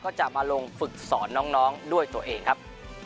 จะมาลงฝึกสอนน้องด้วยตัวเองครับ